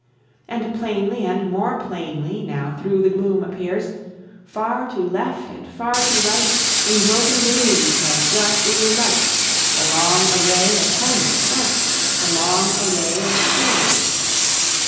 And plainly and more plainly Now through the gloom appears, Far to left and far to right, In broken gleams of dark blue light, The long array of helmets bright, The long array of spears.